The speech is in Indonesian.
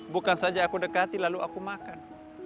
bukan saja aku dekati lalu aku makan